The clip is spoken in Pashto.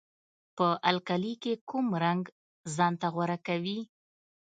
په القلي کې کوم رنګ ځانته غوره کوي؟